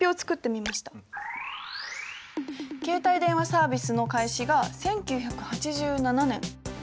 携帯電話サービスの開始が１９８７年。